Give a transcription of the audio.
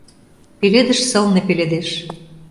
Пеледыш сылне пеледеш